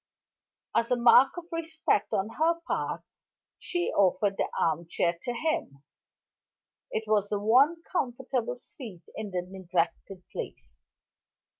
As a mark of respect on her part, she offered the armchair to him: it was the one comfortable seat in the neglected place.